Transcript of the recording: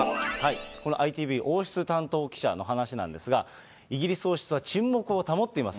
このＩＴＶ王室担当記者の話なんですが、イギリス王室は沈黙を保っています。